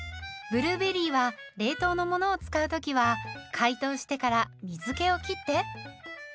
ブルーベリーは冷凍のものを使う時は解凍してから水けを切って。